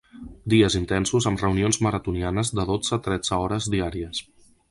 Dies intensos amb reunions maratonianes de dotze-tretze hores diàries.